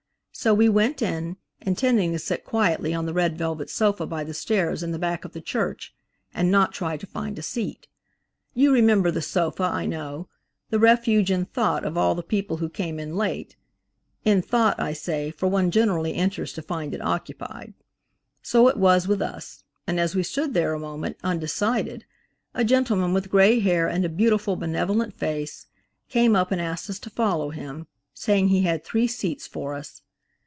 So we went in, intending to sit quietly on the red velvet sofa by the stairs in the back of the church, and not try to find a seat. You remember the sofa, I know–the refuge in thought of all the people who come in late. In thought, I say, for one generally enters to find it occupied. So it was with us, and as we stood there a moment undecided, a gentleman with gray hair, and a beautiful, benevolent face, came up and asked us to follow him, saying he had three seats for us.